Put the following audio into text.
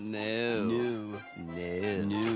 ニュー。